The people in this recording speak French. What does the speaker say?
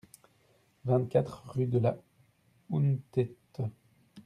vingt-quatre rue de la Hountéte